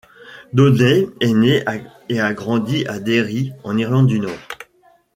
Downey est née et a grandi à Derry, en Irlande du Nord.